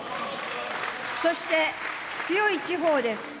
そして強い地方です。